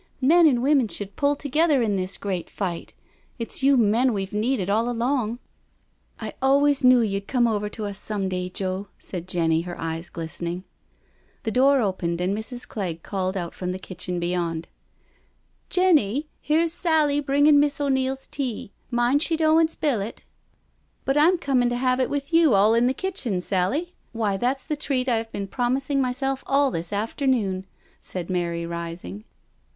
Men and women should pull together in this great fight — ^it's you men we've needed all along •*" I always knew you'd come over to us some day, Joe, said Jenny, her eyes glistening. The door opened and Mrs. Clegg called out from the kitchen beyond: *• Jenny, here's Sally bringing Miss O'Neil's tea — mind she doan't spill it." " But I'm coming to have it with you all in the kitchen, Sally—why, that's the treat I have been prom bing myself all this afternoon," said Mary, rising.